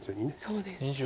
そうですね。